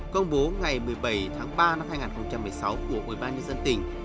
công bố ngày một mươi bảy tháng ba năm hai nghìn một mươi sáu của ubnd tỉnh